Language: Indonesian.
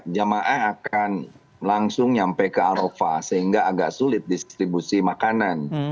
jamaah akan langsung nyampe ke arafah sehingga agak sulit distribusi makanan